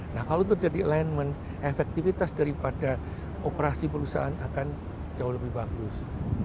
nah kalau terjadi alignment efektivitas daripada operasi perusahaan akan jauh lebih bagus